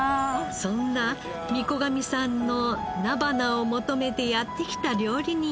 そんな御子神さんの菜花を求めてやって来た料理人がいます。